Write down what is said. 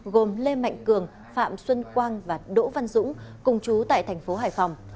gồm lê mạnh cường phạm xuân quang và đỗ văn dũng cùng chú tại tp hải phòng